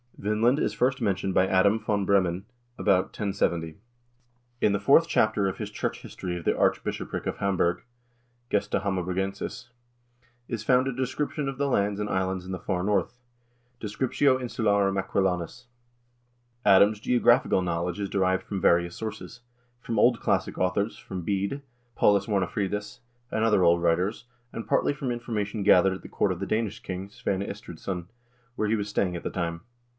1 Vinland is first mentioned by Adam v. Bremen about 1070. In the fourth chapter of his church history of the archbishopric of Hamburg, "Gesta Hammaburgensis," is found a description of the lands and islands in the far North, " Discriptio Insularum Aquilonis." Adam's geographical knowledge is derived from various sources: from old classic authors, from Bede, Paulus Warnefridus, and other old writers, and partly from information gathered at the court of the Danish king, Svein Estridsson, where he was staying at the time.